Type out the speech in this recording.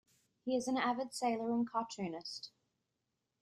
He is an avid sailor and cartoonist.